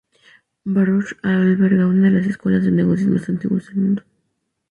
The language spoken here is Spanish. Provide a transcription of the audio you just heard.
Baruch alberga una de las escuelas de negocios más antiguas del mundo.